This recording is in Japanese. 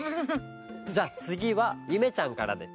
じゃあつぎはゆめちゃんからです。